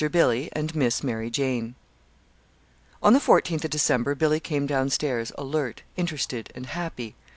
BILLY" AND "MISS MARY JANE" On the fourteenth of December Billy came down stairs alert, interested, and happy.